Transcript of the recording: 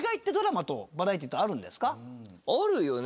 あるよね。